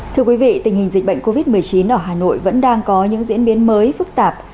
thưa quý vị tình hình dịch bệnh covid một mươi chín ở hà nội vẫn đang có những diễn biến mới phức tạp